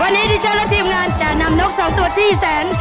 วันนี้ดิฉันและทีมงานจะนำนกสองตัวที่แสน